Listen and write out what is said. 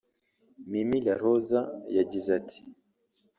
Mimi La Rose yagize ati